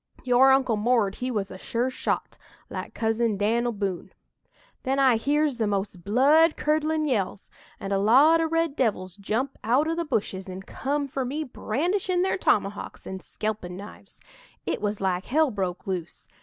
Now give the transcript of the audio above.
Your Uncle 'Mord' he was a sure shot like Cousin Dan'l Boone. "Then I hears the most blood curdlin' yells, and a lot o' red devils jump out o' the bushes an' come for me brandishin' their tomahawks an' skelpin' knives. It was like hell broke loose.